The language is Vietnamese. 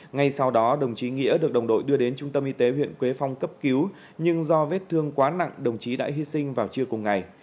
ngay sau đó đồng chí nghĩa được đồng đội đưa đến trung tâm y tế huyện quế phong cấp cứu nhưng do vết thương quá nặng đồng chí đã hy sinh vào trưa cùng ngày